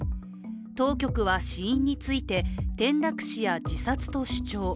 当局は死因について、転落死や自殺と主張。